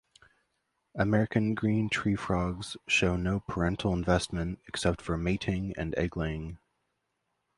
American green tree frogs show no parental investment except for mating and egg-laying.